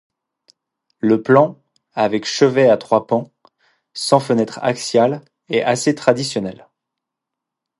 Le plan, avec chevet à trois pans, sans fenêtre axiale, est assez traditionnel.